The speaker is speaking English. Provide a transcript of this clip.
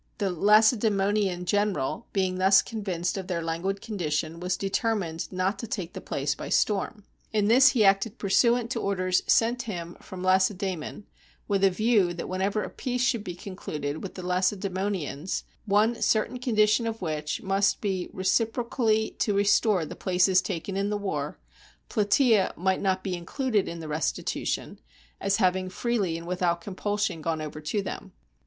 The Lace daemonian general being thus convinced of their languid condition, was determined not to take the place by storm. In this he acted pursuant to orders sent him from Lace daemon, with a view that whenever a peace should be concluded with the Lacedaemonians — one certain con dition of which must be reciprocally to restore the places taken in the war — Plataea might not be included in the restitution, as having freely and without compulsion gone over to them.